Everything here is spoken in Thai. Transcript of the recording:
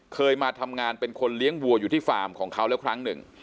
เคยมาทำงานเป็นคนเลี้ยงวัวอยู่ที่ฟาร์มของเขาแล้วครั้งหนึ่ง